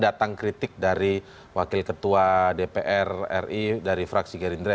datang kritik dari wakil ketua dpr ri dari fraksi gerindra